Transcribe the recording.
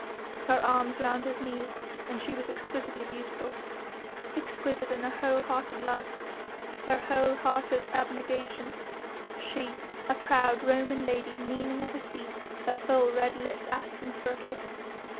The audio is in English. Her arms round his knees, and she was exquisitely beautiful, exquisite in her whole hearted love, her whole hearted abnegation she, a proud Roman lady kneeling at his feet, her full red lips asking for a kiss.